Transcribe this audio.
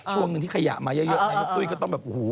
ช่วงที่ขยะมาอย่างเยอะตุ้ยก็ต้องแบบอู้ฮู